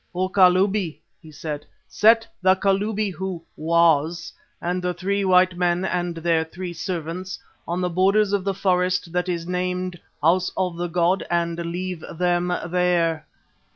"O Kalubi," he said, "set the Kalubi who was and the three white men and their three servants on the borders of the forest that is named House of the god and leave them there.